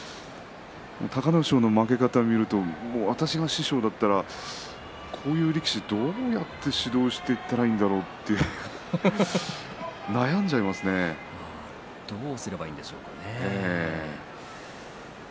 隆の勝の負け方を見ると私が師匠だったらこういう力士をどうやって指導していったらいいんだろうどうすればいいんでしょうかね。